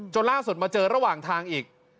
ล่าสุดมาเจอระหว่างทางอีก